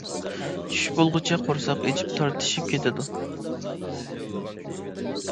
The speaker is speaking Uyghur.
چۈش بولغۇچە قورساق ئېچىپ تارتىشىپ كېتىدۇ.